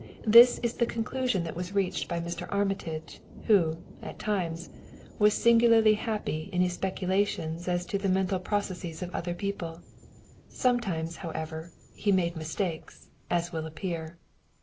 This is the conclusion that was reached by Mr. Armitage, who, at times, was singularly happy in his speculations as to the mental processes of other people. Sometimes, however, he made mistakes, as will appear.